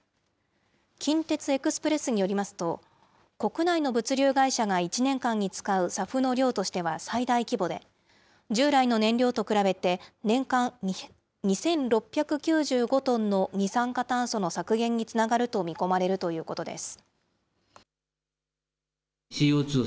近鉄エクスプレスによりますと、国内の物流会社が１年間に使うＳＡＦの量としては最大規模で、従来の燃料と比べて、年間２６９５トンの二酸化炭素の削減につながると見込まれるということです。